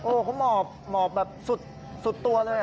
โอ้โฮเขาหมอบแบบสุดตัวเลยหรือ